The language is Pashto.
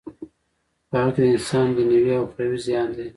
په هغه کی د انسان دینوی او اخروی زیان دی.